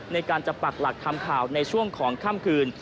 ในการจะปักหลักทำข่าวในช่วงของค่ำคืน